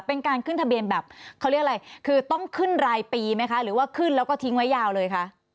เป็นการขึ้นทะเบียนแบบเขาเรียกอะไรคือต้องขึ้นรายปีไหมคะหรือว่าขึ้นแล้วก็ทิ้งไว้ยาวเลยคะ